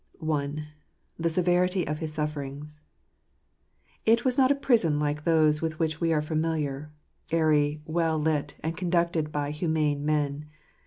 I. The Severity of his Sufferings. It was not a prison like those with which we are familiar — airy, well lit, and conducted by humane men.